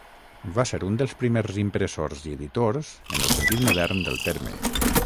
Va ser un dels primers impressors i editors en el sentit modern del terme.